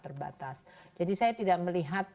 terbatas jadi saya tidak melihat